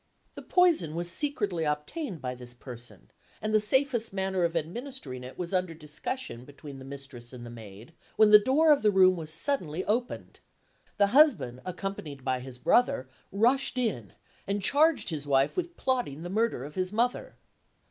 The poison was secretly obtained by this person; and the safest manner of administering it was under discussion between the mistress and the maid, when the door of the room was suddenly opened. The husband, accompanied by his brother, rushed in, and charged his wife with plotting the murder of his mother.